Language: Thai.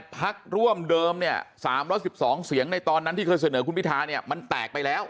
พักร่วมเดิมเนี่ย๓๑๒เสียงในตอนนั้นที่เคยเสนอคุณพิธาเนี่ยมันแตกไปแล้ว